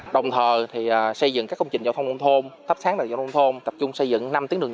đồng thời xây dựng các công trình giao thông nông thôn tập trung xây dựng năm tiếng đường